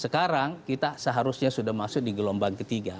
sekarang kita seharusnya sudah masuk di gelombang ketiga